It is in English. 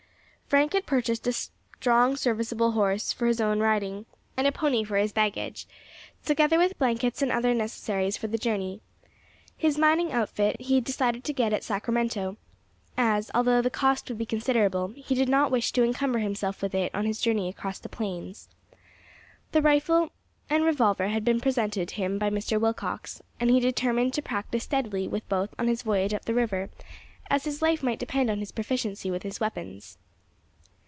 Frank had purchased a strong, serviceable horse for his own riding, and a pony for his baggage, together with blankets and other necessaries for the journey. His mining outfit he decided to get at Sacramento, as, although the cost would be considerable, he did not wish to encumber himself with it on his journey across the plains. The rifle and revolver had been presented him by Mr. Willcox, and he determined to practise steadily with both on his voyage up the river, as his life might depend on his proficiency with his weapons.